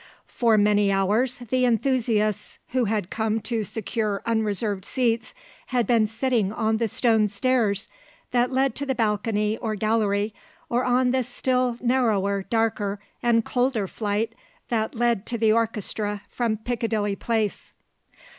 For many hours the enthusiasts who had come to secure unreserved seats had been sitting on the stone stairs that led to the balcony or gallery, or on the still narrower, darker and colder flight that led to the orchestra from Piccadilly Place.